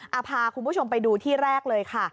เอาพาคุณผู้ชมไปดูที่แรกเลยค่ะ